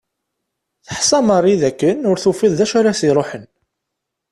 Teḥsa Mary d akken ur tufiḍ d acu ara s-iruḥen.